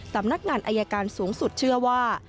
สำนักงานอายการสูงสุดเชื่อว่า